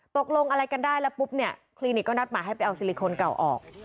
ตกลงอะไรกันได้แล้วปุ๊บเนี่ยคลินิกก็นัดหมายให้ไปเอาซิลิโคนเก่าออก